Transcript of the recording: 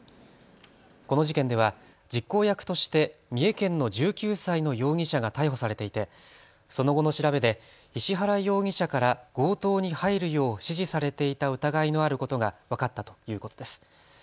この事件では実行役として三重県の１９歳の容疑者が逮捕されていてその後の調べで石原容疑者から強盗に入るよう指示されていた疑いのあることが分かったということです。